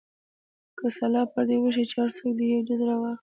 که سلا پر دې وشي چې هر څوک دې یو جز راواخلي.